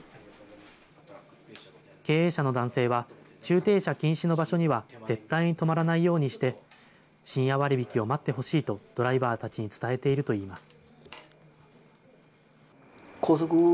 経営者の男性は、駐停車禁止の場所には絶対に止まらないようにして、深夜割引を待ってほしいと、ドライバーたちに伝えているといいます。